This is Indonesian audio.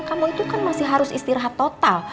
kamu itu kan masih harus istirahat total